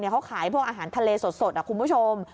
เขาขายพวกอาหารทะเลสดคุณผู้ชม